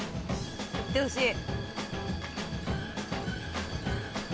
いってほしい。